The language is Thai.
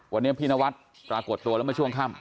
วันนี้พี่นวัดปรากฏตัวแล้วเมื่อช่วงค่ำ